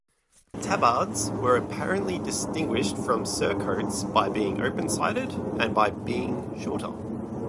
Tabards were apparently distinguished from surcoats by being open-sided, and by being shorter.